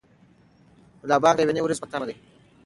ملا بانګ د یوې نوې ورځې په تمه دی.